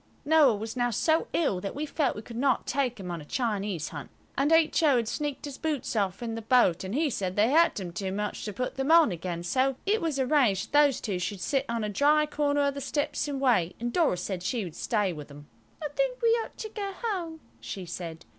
Noël was now so ill that we felt we could not take him on a Chinese hunt, and H.O. had sneaked his boots off in the boat, and he said they hurt him too much to put them on again; so it was arranged that those two should sit on a dry corner of the steps and wait, and Dora said she would stay with them. "I think we ought to go home," she said.